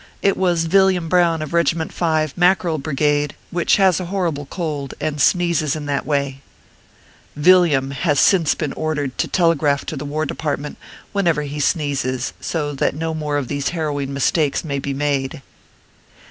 It was Villiam Brown, of Kegiment 5, Mackerel Brigade, which has a horrible cold, and sneezes in that way/ Villiam has since been ordered to telegraph to the War Department whenever he sneezes, so that no more of these harrowing mistakes may be made.